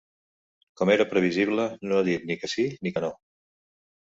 Com era previsible, no ha dit ni que sí ni que no.